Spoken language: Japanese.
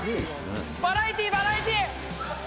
バラエティー、バラエティー。